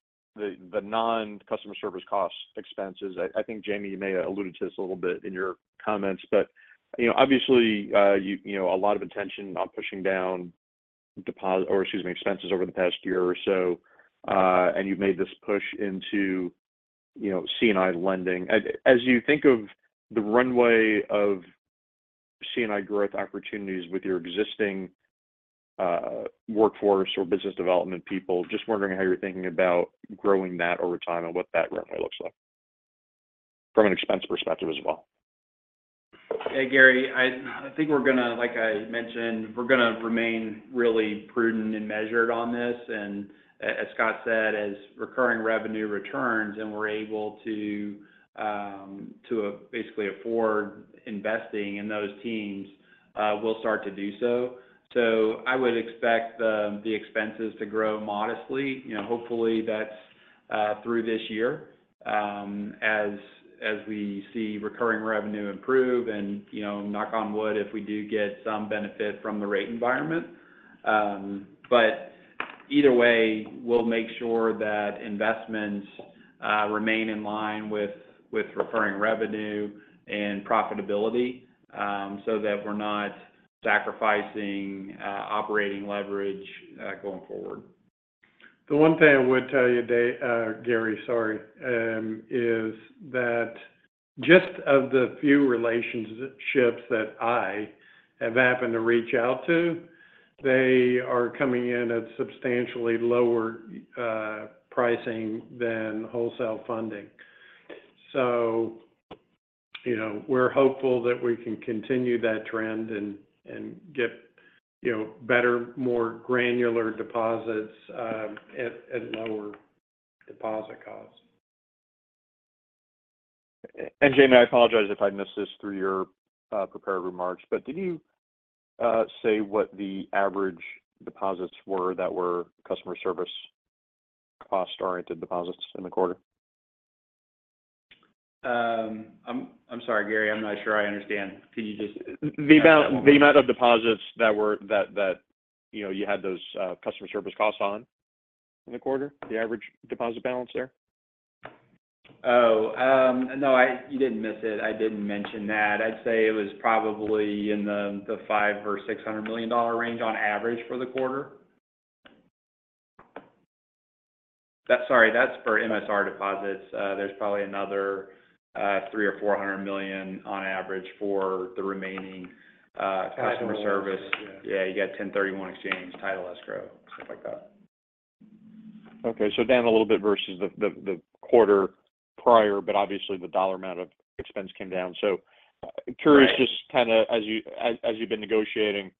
non-customer service cost expenses. I think, Jamie, you may have alluded to this a little bit in your comments, but obviously, a lot of attention on pushing down or, excuse me, expenses over the past year or so, and you've made this push into C&I lending. As you think of the runway of C&I growth opportunities with your existing workforce or business development people, just wondering how you're thinking about growing that over time and what that runway looks like from an expense perspective as well. Hey, Gary. I think, like I mentioned, we're going to remain really prudent and measured on this. And as Scott said, as recurring revenue returns and we're able to basically afford investing in those teams, we'll start to do so. So I would expect the expenses to grow modestly. Hopefully, that's through this year as we see recurring revenue improve. And knock on wood if we do get some benefit from the rate environment. But either way, we'll make sure that investments remain in line with recurring revenue and profitability so that we're not sacrificing operating leverage going forward. The one thing I would tell you, Gary, sorry, is that just of the few relationships that I have happened to reach out to, they are coming in at substantially lower pricing than wholesale funding. So we're hopeful that we can continue that trend and get better, more granular deposits at lower deposit costs. Jamie, I apologize if I missed this through your prepared remarks, but did you say what the average deposits were that were customer service cost-oriented deposits in the quarter? I'm sorry, Gary. I'm not sure I understand. Can you just? The amount of deposits that you had those customer service costs on in the quarter, the average deposit balance there? Oh, no, you didn't miss it. I didn't mention that. I'd say it was probably in the $500 to $600 million range on average for the quarter. Sorry, that's for MSR deposits. There's probably another $300 to $400 million on average for the remaining customer service. Yeah, you got 1031 Exchange, title escrow, stuff like that. Okay. So down a little bit versus the quarter prior, but obviously, the dollar amount of expense came down. So curious just kind of as you've been negotiating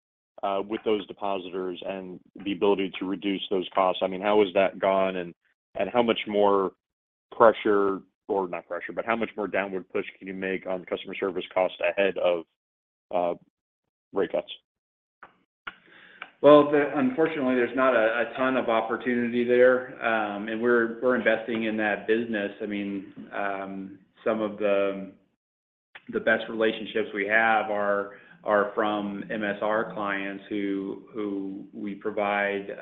with those depositors and the ability to reduce those costs, I mean, how has that gone, and how much more pressure or not pressure, but how much more downward push can you make on customer service costs ahead of rate cuts? Well, unfortunately, there's not a ton of opportunity there. And we're investing in that business. I mean, some of the best relationships we have are from MSR clients who we provide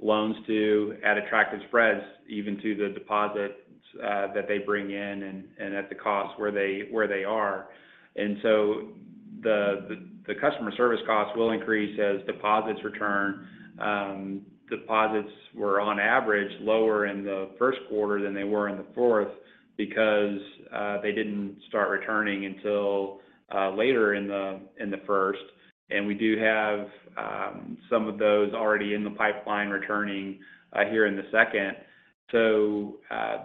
loans to at attractive spreads, even to the deposits that they bring in and at the cost where they are. And so the customer service costs will increase as deposits return. Deposits were, on average, lower in the first quarter than they were in the fourth because they didn't start returning until later in the first. And we do have some of those already in the pipeline returning here in the second. So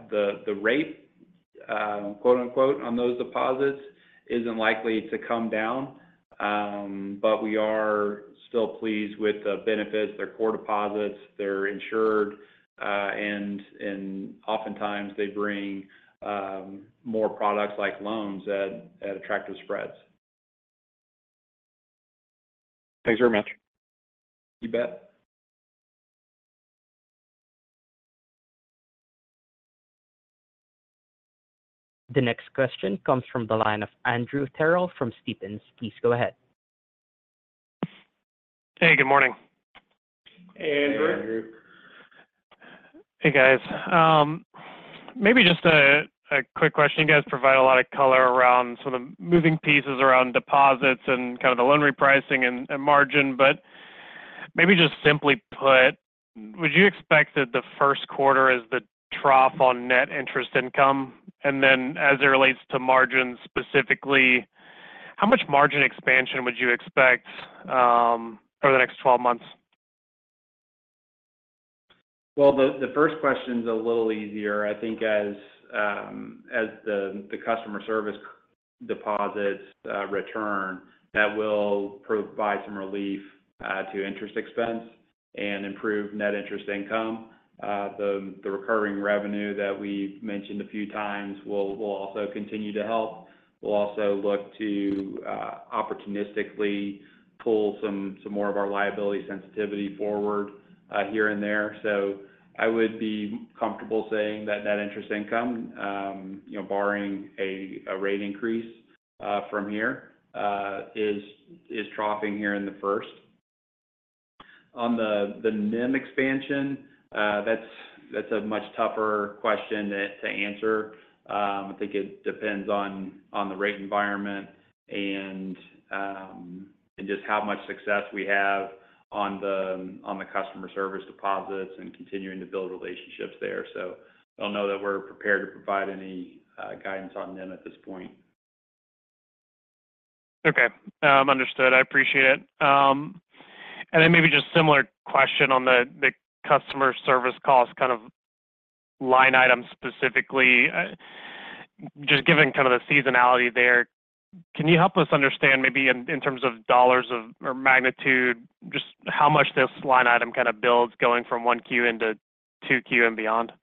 the "rate" on those deposits isn't likely to come down, but we are still pleased with the benefits. They're core deposits. They're insured. And oftentimes, they bring more products like loans at attractive spreads. Thanks very much. You bet. The next question comes from the line of Andrew Terrell from Stephens. Please go ahead. Hey. Good morning. Hey, Andrew. Hey, guys. Maybe just a quick question. You guys provide a lot of color around some of the moving pieces around deposits and kind of the loan repricing and margin. But maybe just simply put, would you expect that the first quarter is the trough on net interest income? And then as it relates to margin specifically, how much margin expansion would you expect over the next 12 months? Well, the first question's a little easier. I think as the customer service deposits return, that will provide some relief to interest expense and improve net interest income. The recurring revenue that we've mentioned a few times will also continue to help. We'll also look to opportunistically pull some more of our liability sensitivity forward here and there. So I would be comfortable saying that net interest income, barring a rate increase from here, is troughing here in the first. On the NIM expansion, that's a much tougher question to answer. I think it depends on the rate environment and just how much success we have on the customer service deposits and continuing to build relationships there. So I don't know that we're prepared to provide any guidance on NIM at this point. Okay. Understood. I appreciate it. And then maybe just similar question on the customer service costs, kind of line item specifically. Just given kind of the seasonality there, can you help us understand maybe in terms of dollars or magnitude, just how much this line item kind of builds going from 1Q into 2Q and beyond?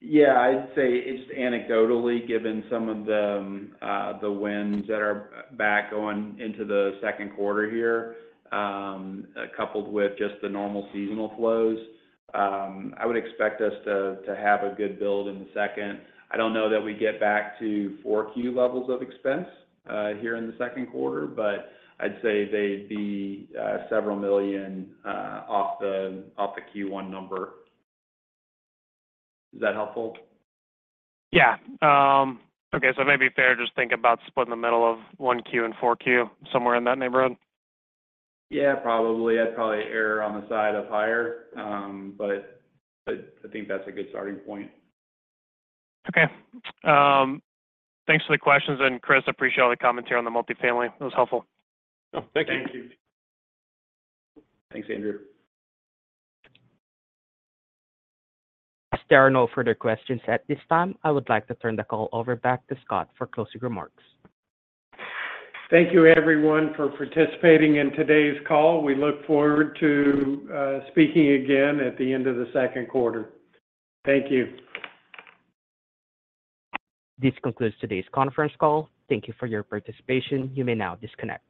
Yeah. I'd say just anecdotally, given some of the winds that are back going into the second quarter here, coupled with just the normal seasonal flows, I would expect us to have a good build in the second. I don't know that we get back to 4Q levels of expense here in the second quarter, but I'd say they'd be several million off the Q1 number. Is that helpful? Yeah. Okay. So maybe fair to just think about split in the middle of 1Q and 4Q, somewhere in that neighborhood? Yeah, probably. I'd probably err on the side of higher, but I think that's a good starting point. Okay. Thanks for the questions. And Chris, appreciate all the commentary on the multifamily. It was helpful. Oh, thank you. Thank you. Thanks, Andrew. There are no further questions at this time. I would like to turn the call over back to Scott for closing remarks. Thank you, everyone, for participating in today's call. We look forward to speaking again at the end of the second quarter. Thank you. This concludes today's conference call. Thank you for your participation. You may now disconnect.